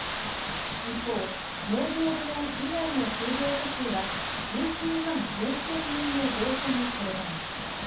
一方、農業部門以外の就業者数は、１９万４０００人の増加にとどまりました。